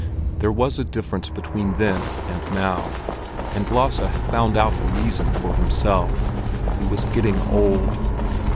There was a difference between then and now, and Lasse had found out the reason for himself: he was getting old.